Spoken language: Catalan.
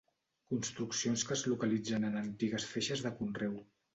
Construccions que es localitzen en antigues feixes de conreu.